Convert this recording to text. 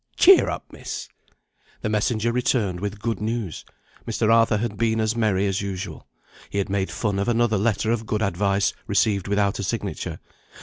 Cheer up, Miss." The messenger returned with good news. Mr. Arthur had been as merry as usual. He had made fun of another letter of good advice, received without a signature.